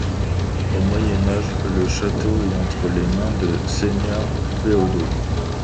Au Moyen Âge, le château est entre les mains de seigneurs féodaux.